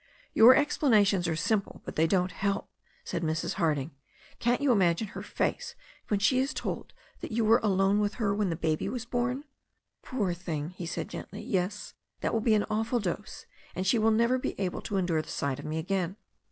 "Your explanations are simple, but they don't help," said Mrs. Harding. "Can't you imagine her face when she is told that you were alone with her when the baby was born ?" "Poor thing," he said gently, "yes, that will be an awful dose, and she will never be able to endure the sight of me again.